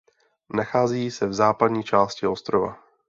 Nachází se v západní části ostrova.